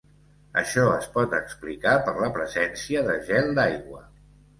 Això es pot explicar per la presència de gel d'aigua.